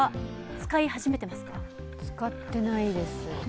使っていないです。